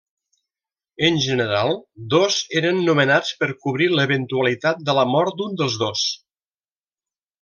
En general, dos eren nomenats per cobrir l'eventualitat de la mort d'un dels dos.